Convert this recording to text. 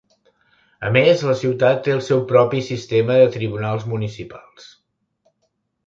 A més, la ciutat té el seu propi sistema de tribunals municipals.